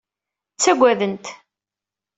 Ttagadent.